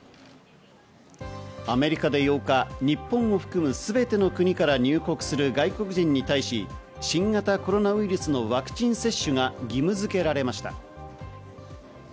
アメリカで８日、日本を含むすべての国から入国する外国人に対し、新型コロナウイルスのワクチン接種が義務づけられました。